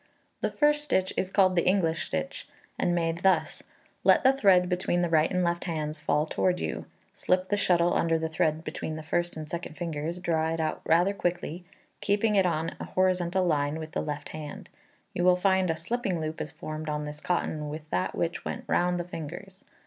The first stitch is called the English stitch, and made thus: Let the thread between the right and left hands fall towards you; slip the shuttle under the thread between the first and second fingers; draw it out rather quickly, keeping it in a horizontal line with the left hand. You will find a slipping loop is formed on this cotton with that which went round the fingers.